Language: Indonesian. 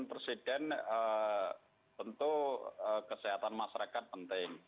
presiden tentu kesehatan masyarakat penting